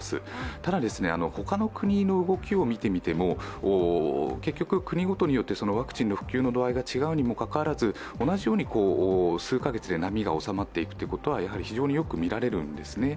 ただ、他の国の動きを見てみても結局、国ごとによってワクチンの普及の度合いが違うにもかかわらず、同じように数カ月で波が収まっていくということは非常によくみられるんですね。